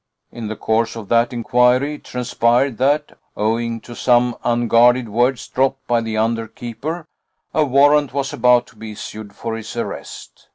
In the course of that inquiry it transpired that, owing to some unguarded words dropped by the under keeper, a warrant was about to be issued for his arrest.